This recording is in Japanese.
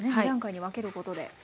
２段階に分けることで。